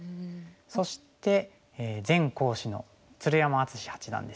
そして前講師の鶴山淳志八段ですね。